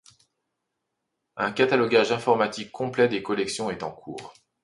Un catalogage informatique complet des collections est en cours.